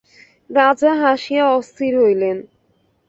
রাজা হাসিয়া অস্থির হইলেন।